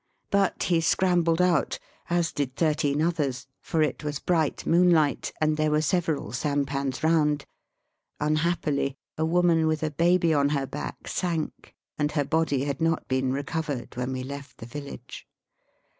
But he scrambled out, as did thirteen others, for it was bright moonUght, and there were several sampans round. Unhappily, a woman with a baby on her back sank, and her body had not been recovered when we left the village.